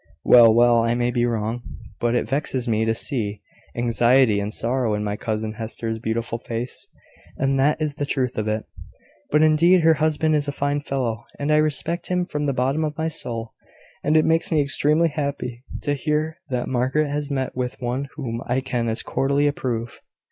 "Well, well; I may be wrong; but it vexes me to see anxiety and sorrow in my cousin Hester's beautiful face; and that is the truth of it. But, indeed, her husband is a fine fellow, and I respect him from the bottom of my soul; and it makes me extremely happy to hear that Margaret has met with one whom I can as cordially approve.